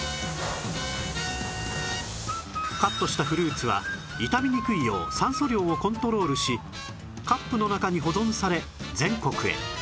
カットしたフルーツは傷みにくいよう酸素量をコントロールしカップの中に保存され全国へ